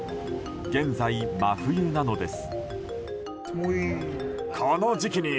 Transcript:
現在、真冬なのです。